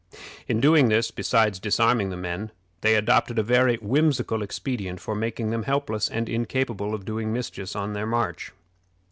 In doing this, besides disarming the men, they adopted a very whimsical expedient for making them helpless and incapable of doing mischief on their march.